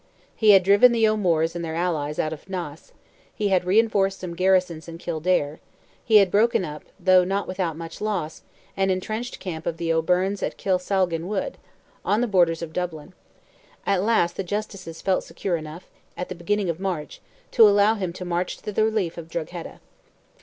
He had driven the O'Moores and their Allies out of Naas; had reinforced some garrisons in Kildare; he had broken up, though not without much loss, an entrenched camp of the O'Byrnes at Kilsalgen wood, on the borders of Dublin; at last the Justices felt secure enough, at the beginning of March, to allow him to march to the relief of Drogheda.